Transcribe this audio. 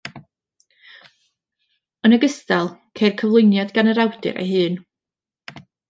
Yn ogystal, ceir cyflwyniad gan yr awdur ei hun.